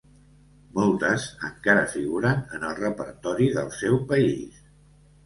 Moltes encara figuren en el repertori del seu país.